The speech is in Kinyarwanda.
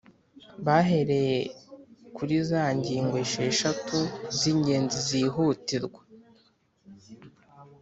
bahereye kuri za ngingo esheshatu z'ingenzi zihutirwa,